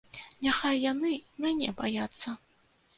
Няхай яны мяне баяцца.